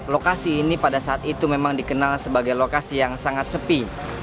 lokasi ini pada saat itu memang dikenal sebagai lokasi yang sangat sepi